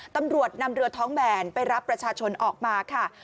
ตำรวจนำเรือท้องแบนไปรับประชาชนออกมาค่ะ